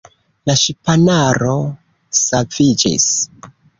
La ŝipanaro saviĝis.